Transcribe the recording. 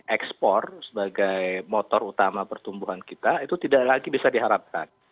ekspor sebagai motor utama pertumbuhan kita itu tidak lagi bisa diharapkan